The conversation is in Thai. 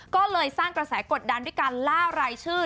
ก็เลยสร้างกระแสกดดันด้วยการล่ารายชื่อ